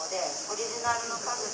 オリジナルの家具。